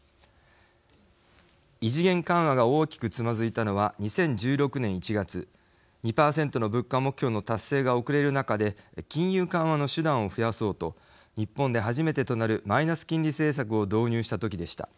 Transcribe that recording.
異次元緩和が大きくつまずいたのは２０１６年１月２％の物価目標の達成が遅れる中で金融緩和の手段を増やそうと日本で初めてとなるマイナス金利政策を導入した時でした。